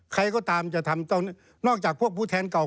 ใครก็ตามจะทำนอกจากพวกผู้แทนเก่า